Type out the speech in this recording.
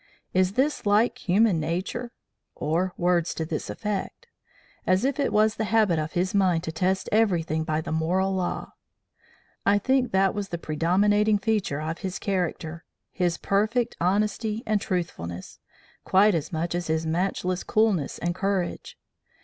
'Is this like human nature?' or words to this effect, as if it was the habit of his mind to test everything by the moral law. I think that was the predominating feature of his character his perfect honesty and truthfulness quite as much as his matchless coolness and courage.